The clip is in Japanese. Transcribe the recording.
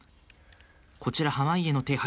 こちら濱家の手牌。